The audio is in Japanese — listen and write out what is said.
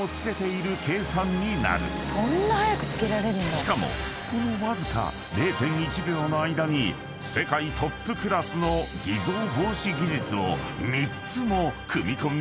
［しかもこのわずか０．１秒の間に世界トップクラスの偽造防止技術を３つも組み込んでいるという］